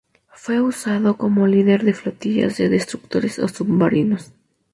Fue usado como líder de flotillas de destructores o submarinos.